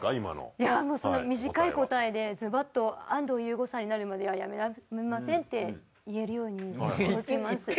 いやその短い答えでズバッと「安藤優子さんになるまでは辞めません」って言えるようにしておきます。